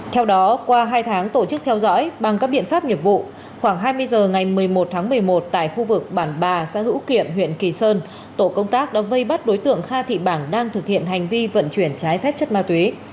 theo đó qua hai tháng tổ chức theo dõi bằng các biện pháp nghiệp vụ khoảng hai mươi h ngày một mươi một tháng một mươi một tại khu vực bản bà xã hữu kiệm huyện kỳ sơn tổ công tác đã vây bắt đối tượng kha thị bảng đang thực hiện hành vi vận chuyển trái phép chất ma túy